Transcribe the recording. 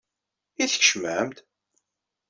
I tkecmem-d?